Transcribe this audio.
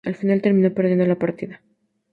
Al final terminó perdiendo la partida.